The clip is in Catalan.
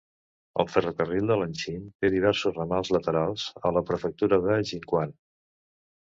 El ferrocarril de Lanxin té diversos ramals laterals a la prefectura de Jiuquan.